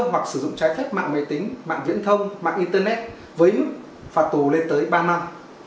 hoặc sử dụng trái phép mạng máy tính mạng viễn thông mạng internet với mức phạt tù lên tới ba năm